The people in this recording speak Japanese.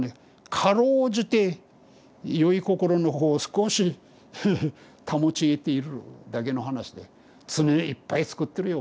辛うじてよい心の方を少しフフ保ちえているだけの話で罪をいっぱいつくってるよ